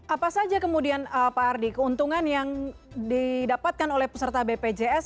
apa saja kemudian pak ardi keuntungan yang didapatkan oleh peserta bpjs